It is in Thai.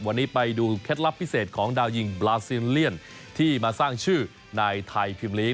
วันนี้ไปดูเคล็ดลับพิเศษของดาวยิงบราซิลเลียนที่มาสร้างชื่อในไทยพิมลีก